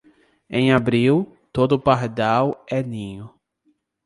Em abril, todo pardal é ninho.